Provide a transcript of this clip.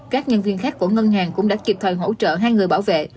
các nhân viên khác của ngân hàng cũng đã kịp thời hỗ trợ hai người bảo vệ